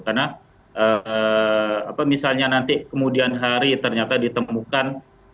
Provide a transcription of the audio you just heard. karena misalnya nanti kemudian hari ternyata ditemukan